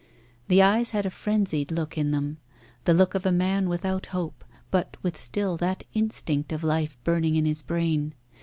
The eyes had a frenzied look in them, the look of a man without hope, but with still that instinct of life burning in his brain.